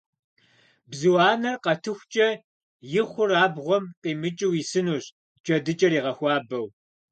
Бзу анэр къэтыхукӀэ, и хъур абгъуэм къимыкӀыу исынущ, джэдыкӀэр игъэхуабэу.